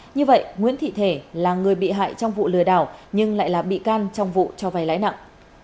như vậy nguyễn thị thể là người bị hại trong vụ lừa đảo nhưng lại là bị can trong vụ cho vay lãi nặng